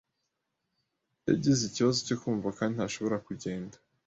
Yagize ikibazo cyo kumva kandi ntashobora kugenda.